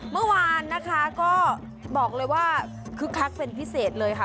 เมื่อวานนะคะก็บอกเลยว่าคึกคักเป็นพิเศษเลยค่ะ